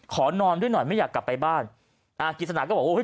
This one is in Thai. ขอนอนด้วยหน่อยไม่อยากกลับไปบ้านอ่ากิจสนาก็บอกโอ้เฮ